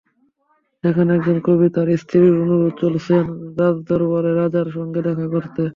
যেখানে একজন কবি তাঁর স্ত্রীর অনুরোধে চলেছেন রাজদরবারে, রাজার সঙ্গে দেখা করতে।